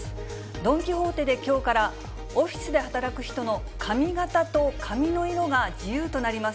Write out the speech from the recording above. ドン・キホーテできょうから、オフィスで働く人の髪形と髪の色が自由となります。